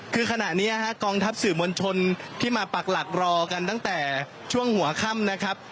คือขณะนี้กองทัพสื่อมวลชนที่มาปักหลักรอกันตั้งแต่ช่วงหัวค่ำนะครับ